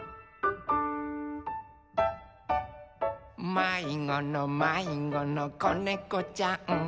「まいごのまいごのこねこちゃん」